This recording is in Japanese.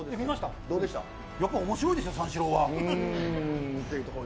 やっぱ面白いです、三四郎は。